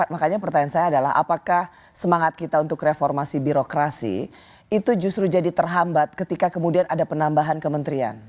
makanya pertanyaan saya adalah apakah semangat kita untuk reformasi birokrasi itu justru jadi terhambat ketika kemudian ada penambahan kementerian